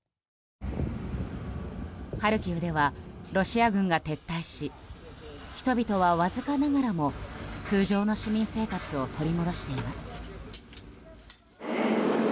ハルキウではロシア軍が撤退し人々はわずかながらも通常の市民生活を取り戻しています。